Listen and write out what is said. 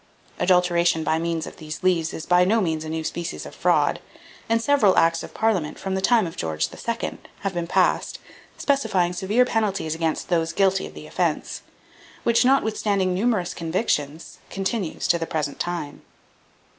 Adulteration by means of these leaves is by no means a new species of fraud; and several acts of parliament, from the time of George II., have been passed, specifying severe penalties against those guilty of the offence, which, notwithstanding numerous convictions, continues to the present time.